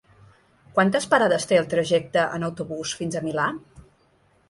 Quantes parades té el trajecte en autobús fins al Milà?